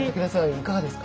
いかがですか。